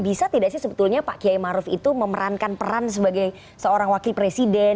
bisa tidak sih sebetulnya pak kiai maruf itu memerankan peran sebagai seorang wakil presiden